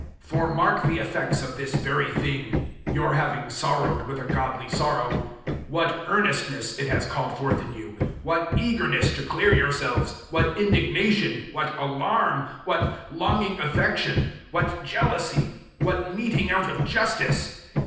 007:011 For mark the effects of this very thing your having sorrowed with a godly sorrow what earnestness it has called forth in you, what eagerness to clear yourselves, what indignation, what alarm, what longing affection, what jealousy, what meting out of justice!